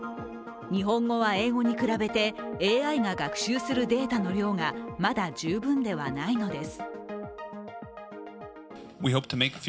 日本語は英語に比べてＡＩが学習するデータの量がまだ十分ではないのです。